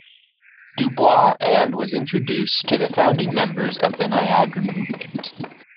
Du Bois and was introduced to the founding members of the Niagara Movement.